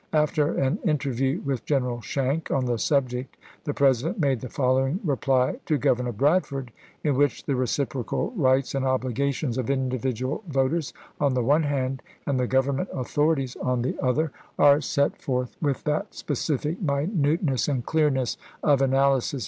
After an interview with General Schenck on the subject the President made the following reply to Governor Bradford, in which the reciprocal rights and obligations of individual voters on the one hand, and the Govern ment authorities on the other, are set forth with MAEYLAND FEEE 463 that specific minuteness and clearness of analysis chap.